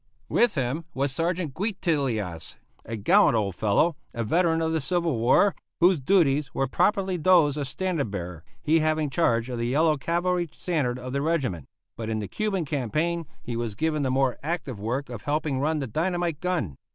With him was Sergeant Guitilias, a gallant old fellow, a veteran of the Civil War, whose duties were properly those of standard bearer, he having charge of the yellow cavalry standard of the regiment; but in the Cuban campaign he was given the more active work of helping run the dynamite gun.